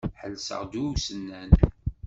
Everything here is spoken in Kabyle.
Ḥelseɣ-d i usennan.